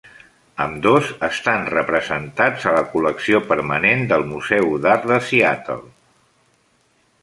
Ambdós estan representats a la col·lecció permanent del Museu d'Art de Seattle.